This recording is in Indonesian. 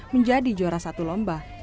menjadi juara satu lomba